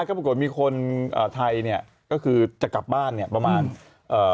ก็ปรากฏมีคนอ่าไทยเนี่ยก็คือจะกลับบ้านเนี่ยประมาณเอ่อ